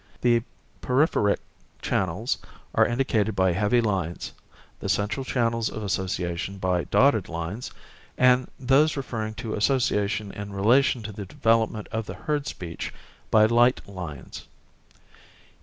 The peripheric channels are indicated by heavy lines; the central channels of association by dotted lines; and those referring to association in relation to the development of the heard speech by light lines.